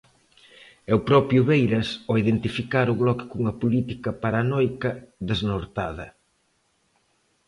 E o propio Beiras ao identificar o Bloque cunha política paranoica, desnortada.